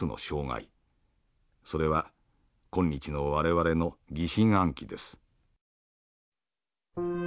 それは今日の我々の疑心暗鬼です」。